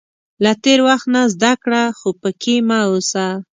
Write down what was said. • له تېر وخت نه زده کړه، خو پکې مه اوسه.